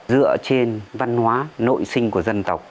dựa trên văn hóa nội sinh của dân tộc